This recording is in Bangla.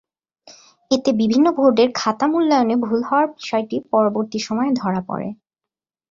এতে বিভিন্ন বোর্ডের খাতা মূল্যায়নে ভুল হওয়ার বিষয়টি পরবর্তী সময়ে ধরা পড়ে।